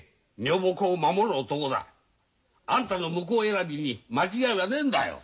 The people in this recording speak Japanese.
あんたの婿選びに間違いはねえんだよ。